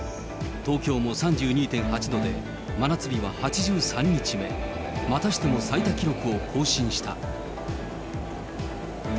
東京も３２．８度で、真夏日は８３日目、またしても最多記録を更新した。